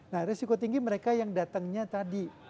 nah risiko tinggi mereka yang datangnya tadi